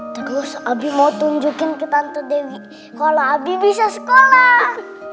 terus abi mau tunjukin ke tante dewi kalau abi bisa sekolah